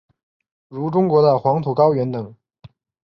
如中国的黄土高原等。